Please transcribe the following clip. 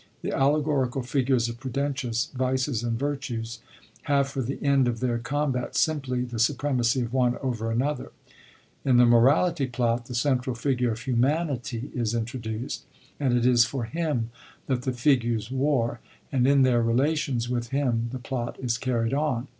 The allegorical figures of Prudentius, Vices and Virtues, have f cm* the end of their combat simply the supremacy of one over another ; in the Morality plot the central figure of Humanity is introduced ; and it is for him that the figures war, and in their relations with him the plot is carried on.